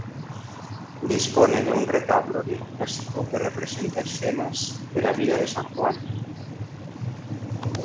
Dispone de un retablo Neoclásico que representa escenas de la vida de San Juan.